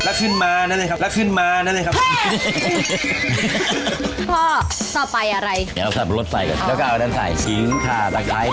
ลักชื่นม้านั่นเลยครับ